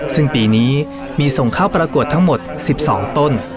ซึ่งปีนี้มีส่งเข้าประกวดทั้งหมด๑๒ต้น